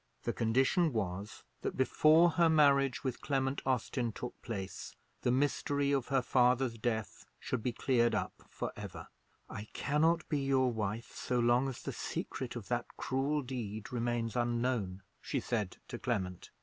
The condition was, that, before her marriage with Clement Austin took place, the mystery of her father's death should be cleared up for ever. "I cannot be your wife so long as the secret of that cruel deed remains unknown," she said to Clement.